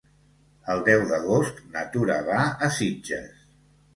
El deu d'agost na Tura va a Sitges.